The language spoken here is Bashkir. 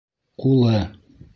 Ҡулы...